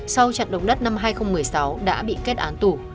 câu trận động đất năm hai nghìn một mươi sáu đã bị kết án tủ